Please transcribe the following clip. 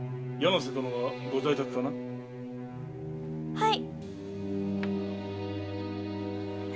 はい。